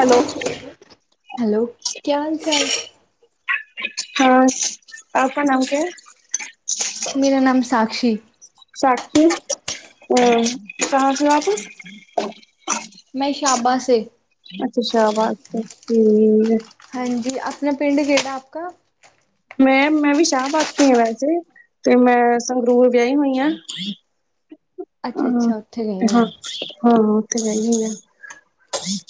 Hello, hello, ਕਿਆ ਹਾਲ-ਚਾਲ? ਬਸ, ਆਪਕਾ ਨਾਮ ਕਿਆ ਹੈ? ਮੇਰਾ ਨਾਮ ਸਾਕਸ਼ੀ। ਸਾਕਸ਼ੀ ਕਹਾ ਸੇ ਓ ਆਪ? ਮੈਂ ਸ਼ਾਬਾ ਸ। ਅੱਛਾ ਅੱ ਸ਼ਾਬਾਦ ਠੀਕ। ਹਾਂਜੀ ਆਪਣਾ ਪਿੰਡ ਕਿਹੜਾ ਆਪ ਕਾ। ਮੈਂ ਮੈਂ ਵੀ ਸ਼ਾਹ ਬਾਦ ਤੋ ਹਾਂ ਵੈਸੇ। ਤੇ ਮੈਂ ਸੰਗਰੂਰ ਵਿਆਹੀ ਹੋਈ ਹਾਂ। ਅੱਛਾ ਹਮ ਅੱਛਾ ਉੱਥੇ ਗਏ ਹੋਏ ਹਾਂ ਆ ਹਾਂ ਉਹ ਤੇ ਹਾਈਆ।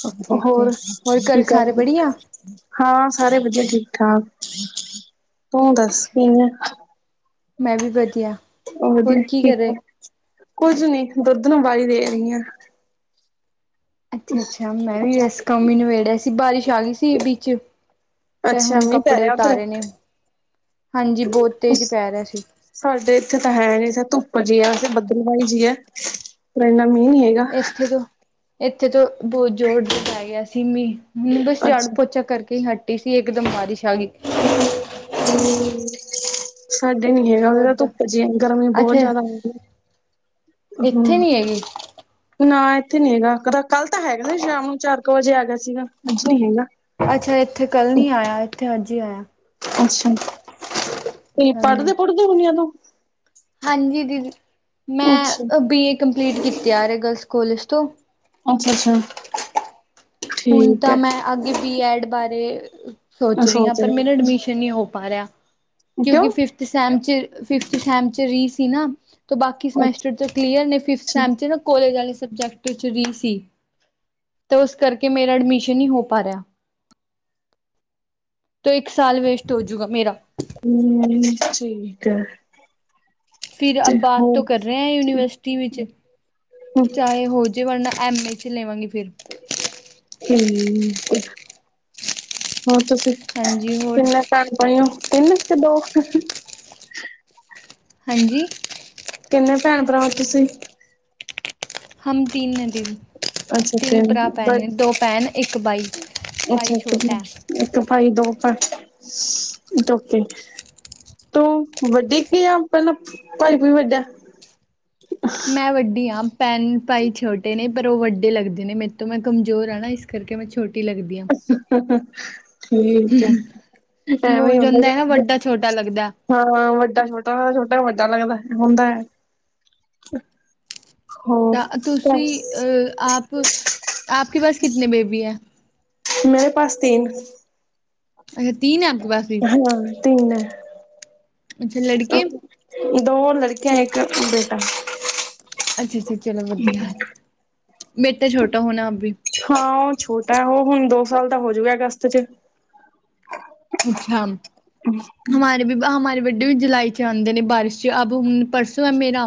ਓਕੇ ਓਕੇ ਹੋਰ ਹੋਰ ਘਰ ਕੀ ਸਾਰੇ ਕਰਦੇ। ਬੜੀਆ ਹਾਂ ਸਾਰੇ ਵਧੀਆ ਠੀਕ ਠਾਕ ਤੂੰ ਦੱਸ ਅੱਛਾ। ਕਿਵੇ, ਮੈਂ ਵੀ ਵਧੀਆ। ਉਹ ਹੋਰ ਵਧੀਆ ਕੀ ਠੀਕ ਕਰ ਰਹੇ ਹੋ। ਕੁੱਝ ਨੀ ਦੁੱਧ ਨੂੰ ਬਾਲੀ ਦੇ ਰਹੀ ਆ। ਅੱਛਾ-ਅੱਛਾ ਮੈਂ ਵੀ ਵੈਸ ਕੰਮ ਹੀ ਨਬੇੜਿਆ ਸੀ ਬਾਰਿਸ਼ ਆ ਗਈ ਸੀ ਵਿੱਚ। ਤੇ ਅੱਛਾ ਹੁਣ ਮੀਂਹ ਪੈ ਕੱਪੜੇ ਰਿਹਾ ਉਧਰ ਉਤਾਰੇ ਨੇ। ਹਾਂਜੀ ਬਹੁਤ ਤੇਜ਼ ਪੈ ਰਿਹਾ ਸੀ। ਸਾਡੇ ਇੱਥੇ ਤਾਂ ਹੈ ਨੀ। ਧੁੱਪ ਜੀ ਆ। ਵੈਸ ਬੱਦਲਵਾਹੀ ਜੀ ਆ। ਪਰ ਇੰਨਾ ਮੀਂਹ ਨੀ ਹੈਗਾ। ਇੱਥੇ ਤੋਂ, ਇੱਥੇ ਤੋਂ ਬਹੁਤ ਜ਼ੋਰ ਦੀ ਪੈ ਗਿਆ ਸੀ ਮੀ। ਮੈ ਬਸ ਝਾੜੂ ਅੱਛਾ ਪੋਚਾ ਕਰਕੇ ਹੀ ਹੱਟੀ ਸੀ, ਇੱਕਦਮ ਬਾਰਿਸ਼ ਆ ਗਈ ਜ ਸਾਡੇ ਨੀ ਹਾਂਜੀ ਹੈਗਾ ਉਹਦੇ ਹੋਰ ਤਾਂ ਧੁੱਪ ਜਿ ਗਰਮੀ ਬਹੁਤ ਅੱਛਾ ਜਿਆਦਾ ਹੁੰਦੀ ਹੈ ਇੱਥੇ ਹਮ ਨੀ ਹੈਗੇ ਨਾ ਇੱਥੇ ਨੀ ਹੈਗਾ ਕ ਕੱਲ੍ਹ ਤਾਂ ਹੈਗਾ ਸੀ ਸ਼ਾਮ ਨੂੰ ਚਾਰ ਕੁ ਵਜੇ ਆ ਗਿਆ ਸੀਗਾ ਅੱਜ ਨੀ ਹੈਗਾ ਅੱਛਾ ਇੱਥੇ ਕੱਲ੍ਹ ਨੀ ਆਇਆ ਇੱਥੇ ਅੱਜ ਹੀ ਆਇਆ। ਅੱਛਾ। ਤੇ ਹਾਂਜੀ। ਪੜ੍ਹਦੇ -ਪੁੜਦੇ ਹੁਨੀਆਂ ਤੂੰ ਹਾਂਜੀ ਦੀਦੀ ਅੱਛਾ ਮੈਂ ਬੀ ਏ ਕੰਪਲੀਟ ਕੀਤੀ ਆਰਏ ਗਰਲਸ ਕੋਲਜ ਤੋਂ ਅੱਛਾ ਅੱਛਾ ਹੁਣ ਠੀਕ ਤਾਂ ਹੈ ਮੈਂ ਅੱਗੇ ਬੀ ਐਡ ਬਾਰੇ ਮੈਂ ਸੋਚ ਰਹੀ ਹਾਂ ਪਰ ਮੈਨੂੰ ਰਿਹਾ ਐਡਮਿਸ਼ਨ ਨਹੀਂ ਹੋ ਪਾ ਰਿਹਾ। ਕਿਉਂਕਿ ਕਿਉਂ ਫੇਰ ਪਰਸੈਂਟ ਚ-ਫੇਰ ਪਰਸੈਂਟ ਚ ਵੀ ਸੀ ਨਾ। ਬਾਕੀ ਸਮੈਸਟਰ ਚ ਕਲੀਅਰ ਨੀ ਅੱਛਾ ਪਰਸੈਟ ਨਾ ਕੋਲੇਜ ਵਾਲੇ ਸਬਜੈਕਟ ਵਿੱਚ ਰੀਹ ਸੀ ਤੇ ਉਸ ਕਰਕੇ ਕਿ ਮੇਰਾ ਐਡਮਿਸ਼ਨ ਹੀ ਹੋ ਪਾ ਰਿਹਾ। ਤੇ ਇੱਕ ਸਾਲ ਵੇਸਟ ਹੋਜੂਗਾ ਮੇਰਾ, ਹੂੰ ਚਲ ਠੀਕ ਫਿਰ ਅ ਤੇ ਬਾਤ ਹੋਰ ਤੋਂ ਕਰ ਰਹੇ ਹ ਯੂਨੀਵਰਸਿਟੀ ਵਿੱਚ ਚਾਹੇ ਹੋ ਜੇ ਮਰ ਨਾਲ ਐਮ ਏ ਚ ਲਵਾਂਗੀ ਫਿਰ ਠੀਕ ਹੋਰ ਤੁਸੀਂ ਹਾਂਜੀ ਹੋਰ ਤਿੰਨ ਕੁ ਪਏ ਹੋ ਤਿੰਨ ਤੇ ਦਓ ਹਾਂਜੀ ਕਿੰਨੇ ਭੈਣ ਭਰਾਵਾਂ ਤੁਸੀਂ ਹਮ ਤਨ ਨ ਦਿਦੀ ਅੱਛਾ ਤਿੰਨ ਭਰਾ ਬ ਭੈਨ ਦੋ ਭੈਨ ਇੱਕ ਭਾਈ ਭਾਈ ਅੱਛਾ ਇੱਕ ਛੋਟ ਹੈ ਭੈਣ ਇੱਕ ਭਾਈ ਦੋ ਭ ਟੋਕੇ ਤੂੰ ਵੱਡੇ ਕੀ ਆ ਪਹਿਲ ਭਾਈ ਭਈ ਵੱਡਾ ਮੈਂ ਵੱਡੀ ਹਾਂ ਭੈਣ ਭਾਈ ਛੋਟੇ ਨੇ ਪਰ ਉਹ ਵੱਡੇ ਲੱਗਦੇ ਨੇ ਮੇਰੇ ਤੋਂ ਮੈਂ ਕਮਜ਼ੋਰ ਹਾਂ ਨਾ ਕਰਕੇ ਮੈਂ ਛੋਟੀ ਲੱਗਦੀ ਹਾਂ ਠੀਕ ਹੈ ਉਹ ਐਵੇਂ ਜਾਂਦਾ ਹੀ ਹੈ ਨਾ ਹਦਾ ਵੱਡਾ ਛੋਟਾ ਲੱਗਦਾ ਹਾਂ ਵੱਡਾ ਛੋਟਾ ਛੋਟਾ ਵੱਡਾ ਲੱਗਦਾ ਹੁੰਦਾ ਹੈ ਹੋਰ ਤਾਂ ਤੁਸੀਂ ਆਪ ਆਪ ਕੇ ਪਾਸ ਕਿਤਨੀ ਬੇਬੀ ਹੈ ਮੇਰੇ ਪਾਸ ਤਿੰਨ ਅੱਛਾੀਨ ਹੈ ਆਪ ਪਾਸ ਵੀ ਹਾਂ ਤਿੰਨ ਹੈ ਅੱਛ ਲੜਕੇ ਦੋ ਲੜਕੀਆਂ ਇੱਕ ਬੇਟਾ ਅੱਛਾ ਅੱਛਾ ਚਲੋ ਵਧੀਆ ਬੇਟਾ ਛੋਟਾ ਹੋਣਾ ਅਭੀ ਹਾਂ ਉਹ ਛੋਟਾ ਉਹ ਹੁਣ ਦੋ ਸਾਲ ਦਾ ਹੋਜੂਗਾ ਅਗਸਤ ਚ ਅੱਛਾ ਹਮਾਰੇ ਹਮਾਰੇ ਵੱਡੇ ਵੀ ਜੁਲਾਈ ਚ ਆਉਂਦੇ ਨੇ ਬਾਰਿਸ਼ ਚ ਅ ਹੁਣ ਪਰਸੋਂ ਹੈ ਮੇਰਾ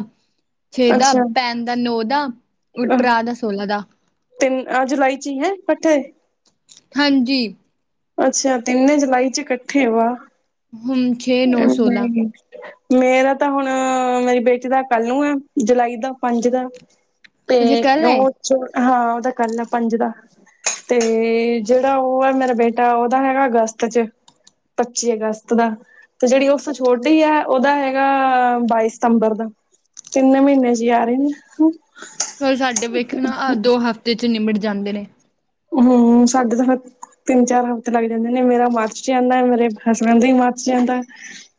ਛੇ ਦਾ ਅੱਛਾ ਭੈਣ ਦਾ ਨੌ ਦਾ ਔਰ ਭਰਾ ਦਾ ਸੋਲਾਂ ਦਾ [unintelligible] ਤਿੰਨ ਅਹ ਜੁਲਾਈ ਚ ਹੈ ਪੱਠੇ ਹਾਂਜੀ ਅੱਛਾ ਤਿੰਨੇ ਜੁਲਾਈ ਚ ਇਕੱਠੇ ਵਾ ਹਮ ਹਮ ਹਾਂ ਮੇਰਾ ਤਾਂ ਹੁਣ ਮੇਰੀ ਬੇਟੀ ਦਾ ਕੱਲ ਨੂੰ ਹੈ ਜੁਲਾਈ ਦਾ ਪੰਜ ਦਾ ਅਜੇ ਕੱਲ ਤੇ ਹੈ ਉਹ ਚ ਹਾਂ ਉਹਦਾ ਕੱਲ ਆ ਪੰਜ ਦਾ ਤੇ ਜਿਹੜਾ ਉਹ ਹੈ ਮੇਰਾ ਬੇਟਾ ਉਹਦਾ ਹੈਗਾ ਅਗਸਤ ਚ ਪੱਚੀ ਅਗਸਤ ਦਾ ਤੇ ਜਿਹੜੀ ਉਸ ਤੋਂ ਛੋਟੀ ਹੈ ਉਹਦਾ ਹੈਗਾ ਬਾਈ ਸਤੰਬਰ ਦਾ ਤਿੰਨ ਮਹੀਨੇ ਚ ਆ ਰਹੇ ਨੇ। ਪਰ ਸਾਡੇ ਵੇਖ ਨਾ ਦੋ ਹਫ਼ਤੇ ਚ ਨਿਮਟ ਜਾਂਦੇ ਨੇ। ਹੁੰ, ਸਾਡੇ ਤਾਂ ਫੇਰ ਤਿੰਨ ਚਾਰ ਹਫ਼ਤੇ ਲੱਗ ਜਾਂਦੇ ਨੇ, ਮੇਰਾ ਮਾਰਚ ਚ ਆਂਦਾ ਮੇਰੇ ਹਸਬੈਂਡ ਦੇ ਮਾਰਚ ਚ ਆਂਦਾ।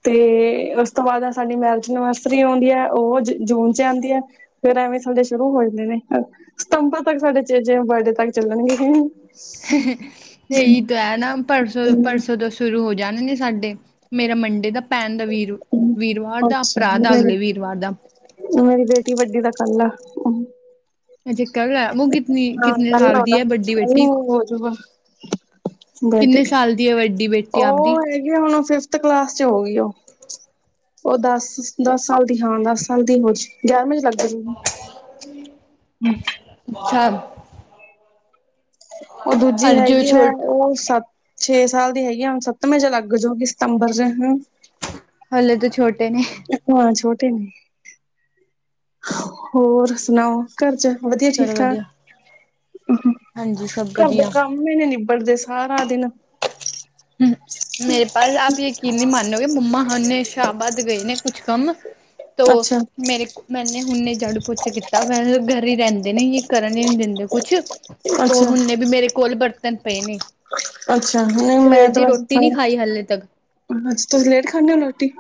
ਤੇ ਉਸ ਤੋਂ ਬਾਅਦ ਸਾਡੀ ਮੈਰਿਜ ਐਨਵਰਸਰੀ ਆਉਂਦੀ ਐ ਉਹ ਜੂਨ ਚ ਆਂਦੀ ਐ। ਫੇਿਰ ਐਵੇਂ ਸਾਡੇ ਸ਼ੁਰੂ ਹੋ ਜਾਂਦੇ ਨੇ ਸਤੰਬਾਂ ਤੱਕ ਸਾਡੇ ਜਿਵੇਂ ਬਰਡੇ ਤੱਕ ਚੱਲਣਗੇ ਇਹੀ ਤਾਂ ਹੈ ਨਾ ਪਰਸੋਂ ਪਰਸੋਂ ਤੋਂ ਸ਼ੁਰੂ ਹੋ ਜਾਣੇ ਨੇ ਸਾਡੇ ਮੇਰਾ ਮੰਡੇ ਦਾ ਭੈਣ ਦਾ ਵੀਰ-ਵੀਰਵਾਰ ਦਾ ਅੱਛਾ ਭਰਾ ਦਾ ਮੇਰੀ ਅਗਲੇ ਵੀਰਵਾਰ ਦਾ। ਮੇਰੀ ਬੇਟੀ ਵੱਡੀ ਦਾ ਕੱਲ ਆ। ਅਜੇ ਕੱਲ ਐ, ਵੋ ਕਿਤਨੀ ਕਿਤਨੇ ਕੱਲ ਆ ਸਾਲ ਦੀ ਉਹਦਾ ਐ ਵੱਡੀ ਬੇਟੀ? ਹੋਜੂਗਾ। ਬਰਥਡੇ, ਕਿੰਨੇ ਸਾਲ ਦੀ ਹੈ ਵੱਡੀ ਬੇਟੀ ਆਪਦੀ ਉਹ ਹੈਗੇ ਹੁਣ ਫਿਫਥ ਕਲਾਸ ਚ ਹੋ ਗਈ ਉਹ। ਉਹ ਦਸ-ਦਸ ਸਾਲ ਦੀ ਹਾਂ, ਦਸ ਸਾਲ ਦੀ ਹੋ ਜ ਗਿਆਰਵੇਂ ਚ ਲੱਗ ਜਾ। ਅੱਛਾ। ਉਹ ਦੂਜੀ ਅਰ ਜੋ ਹੈਗੀ ਆ ਛੋਟ ਉਹ ਸਤ ਛੇ ਸਾਲ ਦੀ ਹੈਗੀ ਆ, ਹੁਣ ਸੱਤਵੇਂ ਚ ਲੱਗ ਜਾਊ ਕਿ ਸਤੰਬਰ ਚ ਹ। ਹਲੇ ਤਾਂ ਛੋਟੇ ਨੇ। ਹਾਂ ਛੋਟੇ ਨੇ, ਹੋਰ ਸੁਣਾਓ? ਘਰ ਚ ਵਧੀਆ ਚਲੋ ਠੀਕ ਠਾਕ, ਵਧੀਆ, ਹਾਂਜੀ ਸਭ ਘਰ ਦੇ ਵਧੀਆ। ਕੰਮ [unintelligible] ਨਿਬੜਦੇ ਸਾਰਾ ਦਿਨ। ਅੱਛ ਮੇਰੇ ਪਲ ਆਪ ਯਕੀਨ ਨੀ ਮਾਣੋਗੇ, ਮੰਮਾ ਹਣੇ ਸ਼ਹਾਬਾਦ ਗਏ ਨੇ ਕੁਛ ਕੰਮ। ਤੋ ਅੱਛਾ ਮੇਰੇ ਮੈਨੇ ਹੁਣੇ ਜਾੜੂ ਪੁੋਛ ਕੀਤਾ, ਵੇਸੇ ਘਰ ਹੀ ਰਹਿੰਦੇ ਨੇ, ਕਰਨ ਹੀ ਨਹੀਂ ਦਿੰਦੇ ਕੁਛ। ਤੋ ਅੱਛਾ ਹੁਨੇ ਵੀ ਮੇਰੇ ਕੋਲ ਬਰਤਨ ਪਏ ਨੇ। ਅੱਛਾ, ਨੀ ਮੈਂ ਸਵੇਰ ਤੇ ਦੀ ਬਸ ਰੋਟੀ ਨਹੀਂ ਹਾਂ, ਖਾਈ ਹਾਲੇ ਤੱਕ ਅੱਛ ਤੁਸੀ ਲੇਟ ਖਾਂਦੇ ਹੋ ਰੋਟੀ?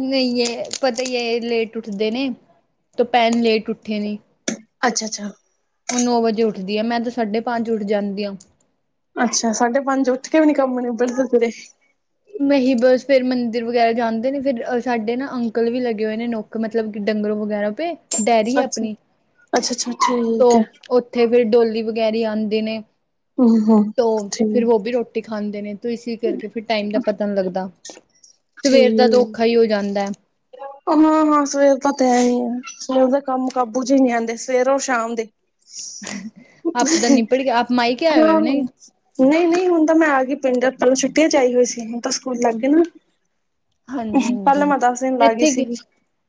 ਨਹੀਂ ਯੇ ਪਤਾ ਈ ਏ ਲੇਟ ਉੱਠਦੇ ਨੇ, ਤੋ ਭੈਣ ਲੇਟ ਉੱਠੇ ਨੇ ਅੱਛਾ-ਅੱਛਾ। ਹੁਣ ਨੌ ਵਜੇ ਉੱਠਦੀ ਆ, ਮੈਂ ਤਾਂ ਸਾਢੇ ਪੰਜ ਉੱਠ ਜਾਂਦੀ ਆ। ਅੱਛਾ, ਸਾਢੇ ਪੰਜ ਉੱਠ ਕੇ ਵੀ ਨੀ ਕੰਮ ਨਿਬੜ ਦੇ ਤੇਰੇ। ਨਹੀਂ ਬਸ ਫੇਰ ਮੰਦਿਰ ਵਗੈਰਾ ਜਾਂਦੇ ਨੇ ਫਿਰ ਸਾਡੇ ਨਾ ਅੰਕਲ ਵੀ ਲੱਗੇ ਹੋਏ ਨੇ ਨੌਕ ਮਤਲਬ ਕਿ ਡੰਗਰੋਂ ਵਗੈਰਾ ਪੇ ਡੈਰੀ ਹੈ ਅੱਛਾ ਆਪਣੀ ਅੱਛਾ ਅੱਛਾ ਤੋ ਠੀਕ ਹੈ [unintelligible] ਉੱਥੇ ਫਿਰ ਡੋਲੀ ਵਗੈਰਾ ਆਂਦੇ ਨੇ ਹਮ ਹਮ ਤੋ ਫਿਰ ਵੋ ਠੀਕ ਵੀ ਰੋ ਟੀ ਖਾਂਦੇ ਨੇ ਤੇ ਇਸੀ ਕਰਕੇ ਫਿਰ ਟ ਪਤਾ ਨ ਲੱਗਦਾ, ਸਵੇਰ ਦਾ ਤਾ ਔਖਾ ਹੀ ਹੋ ਜਾਂਦਾ ਐ। ਹਾਂ-ਹਾਂ, ਸਵੇਰ ਦਾ ਤਾ ਹੈ ਹੀ ਆ ਸਵੇਰ ਦਾ ਕੰਮ ਕਾਬੂ ਚ ਹੀ ਨੀ ਆਂਦੇ ਸਵੇਰ ਔਰ ਸ਼ਾਮ ਦੇ। ਆਪ ਦਾ ਨਿਪਟ ਗਿਆ ਆਪ ਮਾਇਕੇ ਆਏ ਹੋਏ ਨੇ ਹਾਂ। ਨਹੀਂ-ਨਹੀਂ, ਹੁਣ ਤਾਂ ਮੈਂ ਆ ਗਈ ਪਿੰਡ, ਪਹਲੇ ਛੁਟਿਆ ਚ ਆਈ ਹੋਈ ਸੀ ਹੁਣ ਤਾਂ ਸਕੂਲ ਲੱਗ ਗਏ ਨਾ। ਪਹਿਲਾਂ ਹਾਂਜੀ-ਹਾਂਜੀ, ਮੈਂ ਦਸ ਦਿਨ ਲਾ ਗਈ ਇੱਥੇ ਕਿ ਸੀਗੀ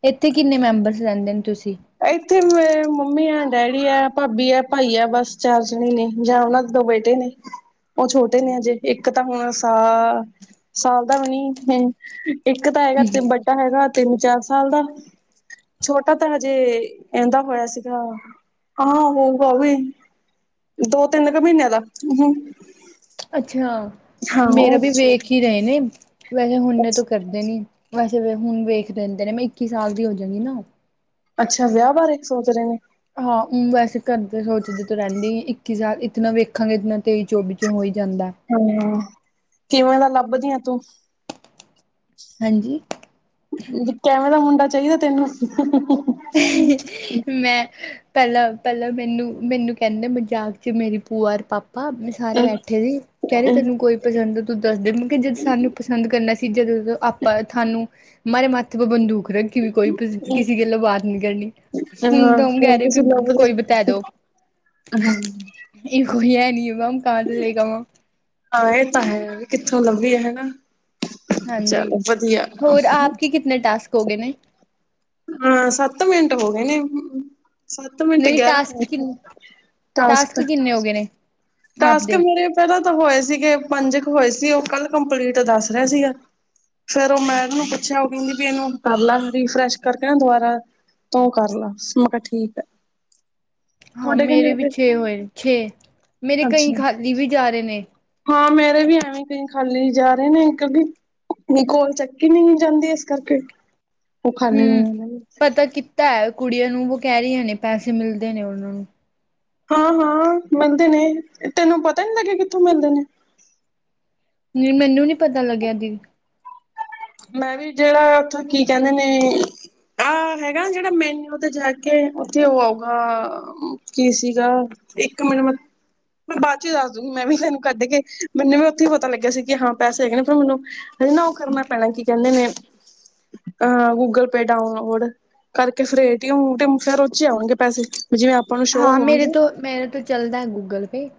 ਇੱਥੇ ਕਿੰਨੇ ਮੈਂਬਰਸ ਰਹਿੰਦੇ ਨੇ ਤੁਸੀਂ? ਇੱਥੇ ਮੇ ਮੰਮੀ ਐ, ਡੈਡੀ ਐ, ਭਾਬੀ ਐ, ਭਾਈ ਆ ਬਸ ਚਾਰ ਜਣੇ ਨੇ ਜਾਂ ਉਹਨਾਂ ਦੇ ਦੋ ਬੈ ਟੇ ਨੇ ਉਹ ਛੋਟੇ ਨੇ ਅਜੇ ਇੱਕ ਤਾਂ ਹੁਣ ਸਾ-ਸਾਲ ਦਾ ਵੀ ਨੀ ਇੱਕ ਤਾਂ ਹੈਗਾ ਵੱਡਾ ਹੈਗਾ ਤਿੰਨ ਚਾਰ ਸਾਲ ਦਾ ਛੋਟਾ ਤਾਂ ਹੈ ਜੇ ਇੰਦਾ ਹੋਇਆ ਸੀਗਾ, [unintelligible] ਦੋ ਤਿੰਨ ਕੁ ਮਹੀਨਿਆਂ ਦਾ ਹ। ਅੱਛਾ, ਮੇਰਾ ਵੀ ਛੋਟ ਵੇਖ ਹੀ ਰਹੇ ਨੇ, ਵੈਸੇ ਹੁਣੇ ਤ ਕਰ ਅੱਛਾ ਨ ਵੈਸੇ ਹੁਣ ਵੇਖ ਦਿੰਦੇ ਨੇ ਮੈਂ ਇੱਕੀ ਸਾਲ ਦੀ ਹੋ ਜਾਣੀ ਨਾ ਅੱਛਾ, ਵਿਆਹ ਬਾਰੇ ਸੋਚ ਰਹੇ ਨੇ? ਹਾਂ, ਵੈਸੇ ਕਰਦੇ ਸੋਚਦੇ ਤਾਂ ਰਹਿੰਦੇ ਇੱਕੀ ਸਾਲ ਇਤਨਾ ਵੇਖਾਂਗੇ ਇਤਨਾ ਤੇਈ ਚੌਵੀ ਚੋਂ ਹੋ ਹੀ ਜਾਂਦਾ। ਹੁੰ, ਕਿਵੇਂ ਦਾ ਲੱਭਦੀ ਆ ਤੂੰ? ਹਾਂਜੀ। ਕੈਵੇ ਦਾ ਮੁੰਡਾ ਚਾਹੀਦਾ ਤੈਨੂੰ? ਮੈਂ ਪਹਿਲਾਂ ਪਹਿਲਾਂ ਮੈਨੂੰ ਮੈਨੂੰ ਕਹਿੰਦੇ ਮਜ਼ਾਕ ਚ ਮੇਰੀ ਪੂਆ ਔਰ ਪਾਪਾ ਸਾਰੇ ਬੈਠੇ ਸੀ, ਕਹਿ ਰੇ ਤੈਨੂੰ ਕੋਈ ਪਸੰਦ ਤੂੰ ਦੱਸਦੇ, ਮੈਂ ਕਹਿ ਜਦੋਂ ਸਾਨੂੰ ਪਸੰਦ ਕਰਨਾ ਸੀ ਜਦੋਂ ਆਪਾਂ ਥਾਨੁ ਮਾਰੇ ਮਾਥੇ ਪੇ ਬੰਦੂਕ ਰੱਖੀ ਵੀ ਕੋਈ ਕਿਸ-ਕਿਸੇ ਗੇਲੇ ਬਾਤ ਨਹੀਂ ਕਰਨੀ ਹਾਂ ਤਾਂ ਹਮ ਕਹਿ ਹੁਣ ਰਹੇ ਤੁਸੀਂ ਵੀ ਲੱਬਦੇ ਕੋਈ ਬਤਾ ਦੋ [unintelligible] ਹਾਂ, ਇਹ ਤਾਂ ਹੈ ਵੀ ਕਿੱਥੋਂ ਲੱਭਿਏ ਹਨਾ। ਹਾਂਜੀ ਚੱਲੋ ਵਧੀਆ। ਹੋਰ ਆਪ ਕੇ ਕਿਤਨੇ ਟਾਸਕ ਹੋ ਗਏ ਨੇ ਹਾਂ, ਸੱਤ ਮਿੰਟ ਹੋ ਗਏ ਨੇ। ਸੱਤ ਮਿੰਟ ਨਹੀਂ ਗਿਆਰਾਂ ਮਟ ਟਾਸਕ ਕਿਨੇ ਹੋ ਗਏ ਨੇ? ਟਾਸਕ ਆਪਦੇ ਮੇਰੇ ਪਹਿਲਾਂ ਤਾਂ ਹੋਏ ਸੀਗੇ ਪੰਜ ਕੁ ਹੋਏ ਸੀ ਉਹ ਕੱਲ ਕੰਪਲੀਟ ਦੱਸ ਰਿਹਾ ਸੀਗਾ। ਫੇਰ ਉਹ ਮੈਮ ਨੂੰ ਪੁੱਛਿਆ ਉਹ ਕਹਿੰਦੀ ਵੀ ਇਹਨੂੰ ਕਰ ਲਾਂ ਰੀਫਰੈਸ਼ ਕਰਕੇ ਨਾ ਦੁਬਾਰਾ। ਤੂੰ ਕਰ ਲਾ, ਮੈ ਕਿਹਾ ਠੀਕ ਹੈ। ਹਾਂ, ਤੁਹਾਡੇ ਕਿੰਨੇ ਮੇਰੇ ਹੋ ਵੀ ਗਏ ਛੇ ਹੋਏ ਨੇ ਛੇ ਮੇਰੇ ਕਈ ਅੱਛਾ ਖਾਲੀ ਵੀ ਜਾ ਰਹੇ ਨੇ। ਹਾਂ, ਮੇਰੇ ਵੀ ਐਵੇ ਕਈ ਖਾਲੀ ਜਾ ਰਹੇ ਨੇ ਇਕ ਬੀ ਕੋੋਲ ਚਕੀ ਨੀ ਜਾਂਦੀ, ਇਸ ਕਰਕੇ ਉਹ [unintelligible] ਤਾਂ ਕੁੜੀਆਂ ਨੂੰ ਵ ਕਹਿ ਰਹੀਆਂ ਨੇ ਪੈਸੇ ਮਿਲਦੇ ਨੇ ਉਹਨਾ ਨੂੰ ਹਾਂ-ਹਾਂ, ਮਿਲਦੇ ਨੇ, ਤੈਨੂੰ ਪਤਾ ਨੀ ਲਗਿਆ ਕਿਥੋ ਮਿਲਦੇ ਨੇ ਨੀ ਮੈਨੂੰ ਨੀ ਪਤਾ ਲਗਿਆ ਦੀ ਮੈਂ ਵੀ ਜਿਹੜਾ ਉਥੇ ਕੀ ਕਹਿਦੇ ਨੇ ਆਹ ਹੈਗਾ ਜਿਹੜਾ ਮੈਨਿਊ ਤੇ ਜਾ ਕੇ ਉਥੇ ਉਹ ਆਊਗਾ ਕੀ ਸੀਗਾ ਇੱਕ ਮਿੰਟ ਮ ਮੈਂ ਬਾਅਦ ਚ ਦੱਸ ਦੂੰਗੀ ਮੈਂ ਵੀ ਤੈਨੂੰ ਕਦ ਕੇ, ਮੈਨੂੰ ਵੀ ਉਥੇ ਹੀ ਪਤਾ ਲਗਿਆ ਸੀ ਕਿ ਹਾਂ ਪੈਸੇ ਹੈਗੇ ਨੇ ਫੇਰ ਮੈਨੂੰ ਫੇਰ ਨਾ ਉਹ ਕਰਨਾ ਪੈਣਾ ਕੀ ਕਹਿਦੇ ਨੇ ਅਹ ਗੂਗਲ ਪੇ ਡਾਊਨਲੋਡ ਕਰਕੇ ਫੇਰ ਏ-ਟੀ-ਐਮ, ਉ-ਟੀ-ਐਮ ਫੇਰ ਉੱਚ ਹੀ ਆਵਾਂਗੇ ਪੈਸੇ ਵੀ ਜਿਵੇ ਹਾਂ, ਮੇਰੇ ਤੋਂ ਮੇਰੇ ਤੋਂ ਚਲਦਾ ਹੈ ਗੂਗਲ ਪੇ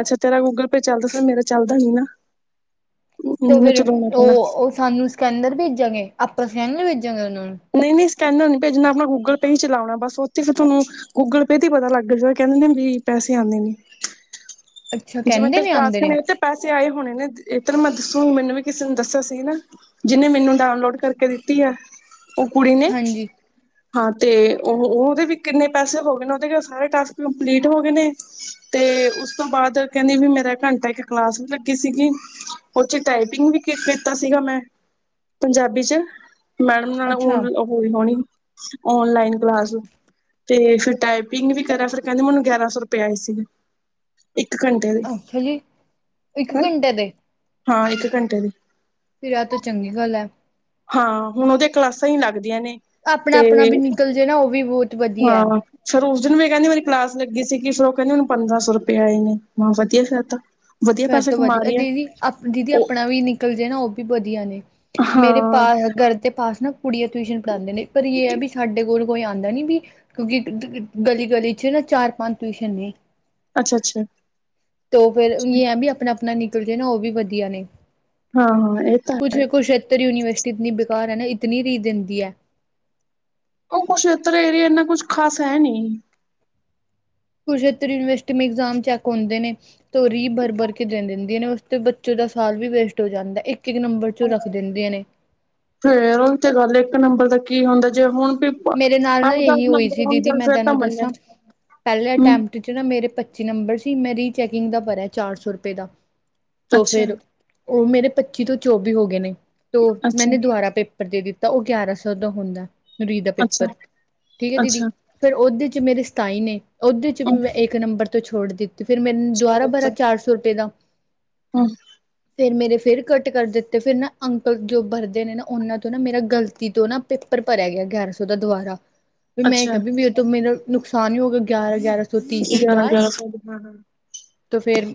ਅਛਾ ਤੇਰਾ ਗੂਗਲ ਪੇ ਚਲਦਾ ਫੇਰ ਮੇਰਾ ਚਲਦਾ ਨੀ ਨਾ ਤੇ ਮੈਨੂੰ ਫੇਰ ਚਲਾਉਣਾ ਪੈਣਾ ਉਹ ਸਾਨੂੰ ਸਕੈਨਰ ਭੇਜਾਂਗੇ ਆਪਾਂ ਸਕੈਨਰ ਭੇਜਾਂਗੇ ਉਹਨਾਂ ਨੂੰ ਨਹੀਂ ਨਹੀ ਸਕੈਨਰ ਨ ਨਹੀ ਭੇਜਣਾ ਆਪਣਾ ਗੂਗਲ ਪੇ ਹੀ ਚਲਾਉਣਾ ਬਸ ਉਥੇ ਫਿਰ ਤੁਹਾਨੂੰ ਗੂਗਲ ਪੇ ਤੇ ਪਤਾ ਲਗ ਜਾ ਕਹਿਦੇ ਨੇ ਵੀ ਪੈਸੇ ਆਨੇ ਨੇ ਅੱਛਾ ਜੇਵੇਂ ਤ ਕਹਿੰਦੇ ਨੇ ਟਾਸ ਆਂਦੇ ਨੇ [unintelligible] ਪੈਸੇ ਆਏ ਹੋਣੇ ਨੇ, ਤੈਨੂੰ ਮੈਂ ਦਸੂਗੀ ਮੈਨੂੰ ਵੀ ਕਿਸੇ ਨੂੰ ਦਸਿਆ ਸੀ ਨਾ ਜਿਨੇ ਮੈਨੂੰ ਡਾਊਨਲੋਡ ਕਰਕੇ ਦਿਤੀ ਐ ਉਹ ਕੁੜੀ ਨੇ ਹਾਂਜੀ ਹਾਂ, ਤੇ ਉਹ ਉਹਦੇ ਵੀ ਕਿਨੇ ਪੈਸੇ ਹੋ ਗਏ ਨੇ ਉਹਦੇ ਸਾਰੇ ਟਾਸਕ ਕੰਪਲੀਟ ਹੋ ਗਏ ਨੇ। ਤੇ ਉਸ ਤੋਂ ਬਾਅਦ ਕਹਿਦੀ ਵੀ ਮੇਰਾ ਘੰਟਾ ਇਕ ਕਲਾਸ ਵੀ ਲਗੀ ਸੀਗੀ ਉਥੇ ਟਾਈਪਿੰਗ ਵੀ ਕੀਤਾ ਸੀਗਾ ਮੈ ਪੰਜਾਬੀ ਚ ਮੈਡਮ ਅੱਛਾ ਹੋਹੀ ਹੋਣੀ ਓਨਲਾਈਨ ਕਲਾਸ ਤੇ ਫੇਰ ਟਾਈਪਿੰਗ ਵੀ ਕਰਿਆ ਫਿਰ ਕਹਿਦੇ ਮੈਨੂੰ ਗਿਆਰਾਂ ਸੌ ਰੁਪਆ ਆਏ ਸੀਗੇ ਇਕ ਘੰਟੇ ਟੇ ਅੱਛਾ ਜੀ ਇੱਕ ਦੇ ਘੰਟੇ ਦੇ ਹਾਂ ਇਕ ਘੰਟੇ ਦੇ ਫਿਰ ਆ ਤੋਂ ਚਗੀ ਗਲ ਹੈ। ਹਾਂ, ਹੁਣ ਉਹਦੀ ਕਲਾਸਾਂ ਹੀ ਲਗਦੀਆਂ ਨੇ ਆਪਣਾ ਤੇ ਆਪਣਾ ਵੀ ਨਿਕਲ ਜੇ ਨਾ ਉਹ ਵੀ ਬਹੁਤ ਵਧੀਆ ਐ। ਫੇਰ ਉਸ ਦਿਨ ਵੀ ਕਹਿਦੀ ਮੇਰੀ ਕਲਾਸ ਲਗੀ ਸੀਗੀ ਫੇਰ ਉਹ ਕਹਿਦੀ ਉਹਨੂੰ ਪੰਦਰਾਂ ਸੌ ਰੁਪਏ ਆਏ ਨੇ, ਮੈਂ ਹਾਂ ਵਦੀਆਂ ਫੇਰ ਤਾਂ ਵਧੀਆ ਫੇਰ ਪੈਸੇ ਤੋਂ ਕਮਾ ਵਧੀਆ ਰਹੀ ਹੈ ਦੀਦੀ ਆਪ ਦੀਦੀ ਉਹ ਆਪਣਾ ਵੀ ਨੀ ਕੱਲ ਜੇ ਨਾ ਉਹ ਵੀ ਵਧੀਆ ਨੇ, ਮੇਰੇ ਪਾ ਹਾਂ ਘਰ ਦੇ ਪਾਸ ਨਾ ਕੁੜੀਆਂ ਟਿਊਸ਼ਨ ਪੜਾਂਦੇ ਨੇ ਪਰ ਯੇ ਹੈ ਵੀ ਸਾਡੇ ਕੋਲ ਕੋਈ ਆਂਦਾ ਨੀ ਵੀ ਕਿਉਕਿ ਗਲੀ-ਗਲੀ ਚ ਨਾ ਚਾਰ ਪੰਜ ਟਊਸ਼ਨ ਨੇ ਅਛਾ-ਅਛਾ। ਤੇ ਫਿਰ ਯੇਹ ਹੈ ਵੀ ਆਪਣਾ-ਆਪਣਾ ਨਿਕਲ ਜਾ ਨਾ ਉਹ ਵੀ ਵਧੀਆ ਨੇ। ਹਾ-ਹਾ ਇਹ ਤਾ ਕੁਛ ਕੁਸ਼ੇਤਰ ਯੂਨੀਵਰਸਿਟੀ ਇਤਨੀ ਬੇਕਾਰ ਹੈ ਨਾ ਇਤਨੀ ਰੀ ਦਿਦੀ ਹੈ। ਉਹ ਕੁਰਸ਼ੇਤਰ ਏਰੀਏ ਇੰਨਾ ਕੁਛ ਖਾਸ ਹੈ ਨੀ। ਕੁਰਸ਼ੇਤਰ ਯੂਨੀਵਰਸਿਟੀ ਇਗਜ਼ਾਮ ਚੈਕ ਹੁੰਦੇ ਨੇ ਤੇ ਉਹ ਰੀ ਭਰ ਭਰ ਕੇ ਦਿੰਦੇ ਨੇ ਨੇ ਉਸਤੇ ਬੱਚੇ ਦਾ ਸਾਲ ਵੀ ਵੇਸਟ ਹੋ ਜਾਂਦਾ ਇਕ ਇਕ ਨੰਬਰ ਚੋ ਰੱਖ ਦਿੰਦੇ ਨੇ। ਫੇਰ ਉਹ ਤੇ ਗਲ ਇਕ ਨੰਬਰ ਦਾ ਕੀ ਹੁੰਦਾ ਜੇ ਹੁਣ ਪੇ ਮੇਰੇ ਨਾਲ ਨਾ ਇਹੀ ਹੋਈ ਸੀ ਦੀਦੀ ਮੈ ਤਾਂ ਤੈਨੂੰ ਮੰਨਿਆ ਦਸਾਂ ਪਹਿਲੇ ਹਮ ਟਾਈਮ ਚ ਨਾ ਮੇਰੇ ਪੱਚੀ ਨੰਬਰ ਸੀ ਮੈਂ ਰੀਚੈਕਿੰਗ ਦਾ ਭਰਿਆ ਚਾਰ ਸੌ ਰੁਪਏ ਦਾ ਤੋ ਅੱਛਾ ਫਿਰ ਉਹ ਮੇਰੇ ਪੱਚੀ ਤੋ ਚੌਵੀ ਹੋ ਗਏ ਨੇ ਤੋਂ ਅੱਛਾ ਮੈਨੇ ਦੁਬਾਰਾ ਪੇ ਪੇਪਰ ਦੇ ਦਿਤਾ ਉਹ ਗਿਆਰਾਂ ਸੌ ਦਾ ਹੁਦਾ ਰਰੀ ਦਾ ਪੇਪਰ ਅੱਛਾ ਠੀਕ ਹੈ ਦੀਦੀ। ਅੱਛਾ ਫਿਰ ਉਹਦੇ ਚ ਮੇਰੇ ਸਤਾਈ ਨੇ ਉਹਦੇ ਚ ਵੀ ਮੈ ਇਕ ਨੰਬਰ ਤੋ ਛੋੜ ਦਿ ਤੇ ਫਿਰ ਮੈਨੂੰ ਦੁਬਾਰਾ ਭਰਾ ਚਾਰ ਸੌ ਰੁਪਏ ਦਾ। ਹਾ ਅੱ ਫਿਰ ਮੇਰੇ ਫਿਰ ਕੱਟ ਕਰ ਦਿੱਤੇ ਫਿਰ ਨਾ ਅੰਕਲ ਜੋ ਭਰਦੇ ਨੇ ਨਾ ਉਹਨਾ ਤੋਂ ਨਾ ਮੇਰਾ ਗਲਤੀ ਤੋਂ ਨਾ ਪੇਪਰ ਭਰਿਆ ਗਿਆ। ਗਿਆਰਾ ਸੌ ਦਾ ਦੁਬਾਰਾ ਵੀ ਮੈਂ ਅੱਛਾ ਕਿਹਾ ਵੀ ਵੀ ਉਹ ਤੋਂ ਮੇਰਾ ਨੁਕਸਾਨ ਹੀ ਹੋ ਗਿਆ ਗਿਆਰਾ-ਗਿਆਰਾ ਤੁਸੀਂ ਇਸਰੀ ਗਿਆਰਾਂ ਬਾਰ ਗਿਆਰਾਂ ਸੌ ਹਾਂ ਹਾਂ ਤੇ ਫੇਰ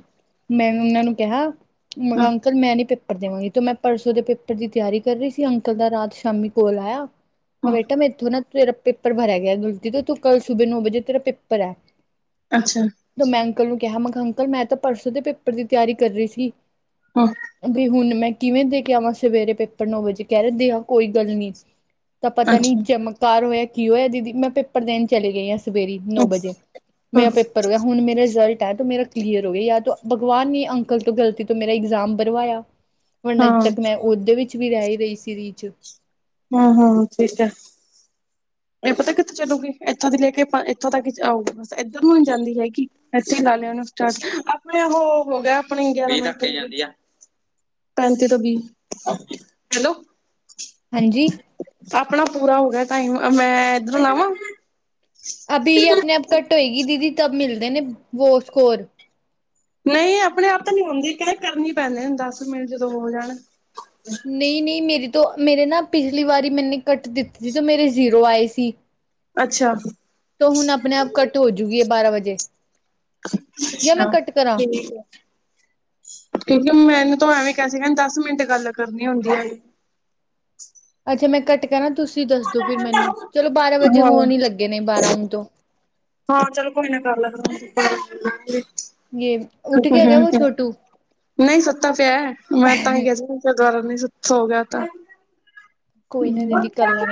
ਮੈਂ ਉਹਨਾਂ ਨੂੰ ਕਿਹਾ ਮੈਂ ਕਿਹਾ ਹਾਂ ਅੰਕਲ ਮੈਂ ਨੀ ਪ ਪੇਪਰ ਦੇਵਾਂਗੀ ਤੇ ਮੈਂ ਪਰਸੋਂ ਦੇ ਪੇਪਰ ਦੀ ਤਿਆਰੀ ਕਰ ਰਹੀ ਸੀ ਅੰਕਲ ਦਾ ਰਾਤ ਸ਼ਾਮੀ ਕੋਲ ਆਯਾ। ਕ ਹਾਂ ਬੇਟਾ ਮੇਰੇਥੋਂ ਨਾ ਤੇਰਾ ਪੇਪਰ ਭਰਿਆ ਗਿਆ ਗ਼ਲਤੀ ਤੋ ਤੂੰ ਕੱਲ ਸੁਬੇ ਨੌ ਵਜੇ ਤੇਰਾ ਪੇਪਰ ਹੈ। ਅੱਛਾ ਤੇ ਮੈਂ ਅੰਕਲ ਨੂੰ ਕਿਹਾ ਮੈਂ ਕਿਹਾ ਅੰਕਲ ਮੈਂ ਤਾਂ ਪਰਸੋਂ ਦੇ ਪੇਪਰ ਦੀ ਤਿਆਰੀ ਕਰ ਰਹੀ ਸੀ। ਹ ਵੀ ਹੁਣ ਮੈਂ ਕਿਵੇ ਦੇ ਕੇ ਆਵਾਂ ਸਵੇਰੇ ਪੇਪਰ ਨੌ ਵਜੇ ਕਹਿ ਰਦੇ ਆ ਕੋਈ ਗੱਲ ਨੀ। ਤਾ ਪਤਾ ਨੀ ਅੱਛਾ ਚਮਕਾਰ ਹੋਇਆ ਕੀ ਹੋਇਆ ਦੀਦੀ ਮੈਂ ਪੇਪਰ ਦੇਣ ਚਲੇ ਗਈ ਸ। ਸਵੇਰੀ ਨੌ ਹਾਂ ਵਜੇ ਮੇਰਾ ਪੇਪਰ ਹੋ ਗਿਆ ਹੁਣ ਮੇਰਾ ਰਿਜਲਟ ਆਯਾ ਤੇ ਮੇਰਾ ਕਲੀਅਰ ਹੋ ਗਿਆ ਯਾਰ ਭਗਵਾਨ ਨੀ ਅੰਕਲ ਤੋਂ ਗਲਤੀ ਤੋਂ ਮੇਰਾ ਇਗਜ਼ਾਮ ਬਰਵਾਇਆ ਵਰਨ ਅਜ ਹਾਂ ਤੱਕ ਮੈਂ ਉਹਦੇ ਵਿੱਚ ਵੀ ਰਹਿ ਹੀ ਰਹੀ ਸੀ ਰੀ ਚ। ਹਾਂ-ਹਾਂ [unintelligible] ਇਹ ਪਤਾ ਕਿੱਥੋਂ ਚੱਲੂਗੇ ਇੱਥੋਂ ਦੀ ਲੈ ਕੇ ਆਪਾਂ ਇੱਥੋਂ ਤੱਕ ਆਉਗੇ ਬਸ ਇੱਧਰ ਨੂੰ ਹੀ ਜਾਂਦੀ ਹੈਗੀ। ਅਸੀ ਲਾ ਲਿਆ [unintelligible] ਆਪਣੇ ਉਹ ਹੋ ਗਿਆ ਆਪਣੀ [unintelligible] ਪੈਂਤੀ ਤੋਂ ਵੀਹ, ਹੈਲੋ। ਹਾਂਜੀ ਆਪਣਾ ਪੂਰਾ ਹੋ ਗਿਆ ਟਾਈਮ, ਮੈਂ ਇੱਧਰੋਂ ਲਾਵਾ। ਅਭੀ ਇਹ ਆਪਣੇ ਆਪ ਘੱਟ ਹੋਏਗੀ ਦੀਦੀ ਤ ਮਿਲਦੇ ਨੇ ਵੋ ਸਕੋਰ। ਨਈ ਆਪਣੇ ਆਪ ਤਾ ਨੀ ਹੁੰਦੀ ਕਹਿ ਕਰਨੀ ਪੈਂਦੇ ਦਸ ਮਿੰਟ ਜਦੋਂ ਹੋ ਜਾਣ। ਨਹੀ-ਨਹੀ ਮੇਰੀ ਤੋਂ ਮੇਰੇ ਨਾ ਪਿਛਲੀ ਵਾਰੀ ਮੈਨੇ ਕੱਟ ਦਿੱਤੀ ਸੀ ਤੇ ਮੇਰੇ ਜ਼ੀਰੋ ਆਏ ਸੀ। ਅੱਛਾ ਤਾ ਹੁਣ ਆਪਣੇ ਆਪ ਘੱਟ ਹੋਜੂਗੀ ਬਾਰਾ ਵਜੇ। ਜਾਂ ਅੱਛਾ ਮੈਂ ਕੱਟ ਕਰਾਂ ਠੀਕ ਆ। ਕਿੳਂਕਿ ਮੈਨੂੰ ਤਾ ਐਵੇਂ ਕਹਿ ਸੀ ਕਹਿੰ ਦਸ ਮਿੰਟ ਗੱਲ ਕਰਨੀ ਹੁੰਦੀ ਹੈਗੀ। ਅੱਛਾ ਮੈਂ ਕੱਟ ਕਰ ਨਾ ਤੁਸੀਂ ਦੱਸ ਦੋ ਫਿਰ ਮੈਨੂੰ ਚਲੋ ਬਾਰਾ ਵਜੇ ਹਾਂ ਹੋਣ ਹੀ ਲੱਗੇ ਨੇ ਬਾਰਾ ਹੁਣ ਤੋ। ਹਾਂ ਚਲੋ ਕੋਈ ਨਾ ਕਰ ਲ ਯੇ ਉੱਠ ਕੇ ਹੈਗਾ ਵੋ [unintelligible] ਛੋਟੂ ਨਹੀ ਸੁੱਤਾ ਪਿਆ ਮੈਂ ਤਾ ਹੀ ਕਿਆ ਸੀ ਤਾ ਦੁਬਾਰਾ ਨੀ ਸ ਸੁੱ ਸੋ ਗਿਆ ਤਾ। ਕੋਈ ਨਾ ਦੀਦੀ ਕਰ ਲਾਂਗੇ